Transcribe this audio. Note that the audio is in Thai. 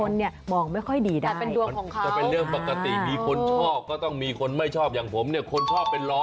แต่อีกดีคนชอบก็ต้องมีคนไม่ชอบอย่างผมเนี่ยคนชอบเป็น๑๐๐